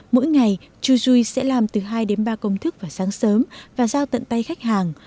mỗi ngày chujuice sẽ làm từ hai đến ba công thức vào sáng sớm và giao tận tay khách hàng